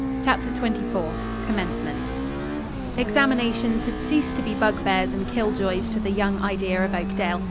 CHAPTER XXIV COMMENCEMENT Examinations had ceased to be bug bears and kill joys to the young idea of Oakdale.